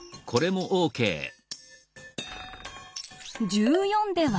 １４では。